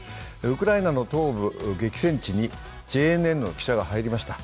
ウクライナの東部、劇戦地にＪＮＮの記者が入りました。